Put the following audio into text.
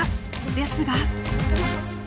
ですが。